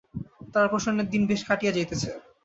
তারাপ্রসন্নের দিন বেশ কাটিয়া যাইতেছে।